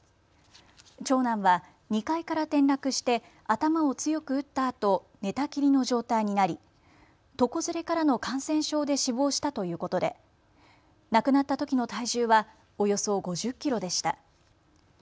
長男は２階から転落して頭を強く打ったあと寝たきりの状態になり床ずれからの感染症で死亡したということで亡くなったときの体重はおよそ５０キロでした。